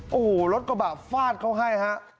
โอ้โหรถกระบะฟาดเขาให้ฮะ